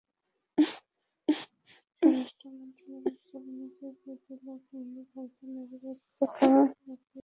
স্বরাষ্ট্র মন্ত্রণালয়ের হিসাব অনুযায়ী, প্রায় দুই লাখ হিন্দু ভারতের নাগরিকত্ব পাওয়ার আগ্রহ দেখিয়েছেন।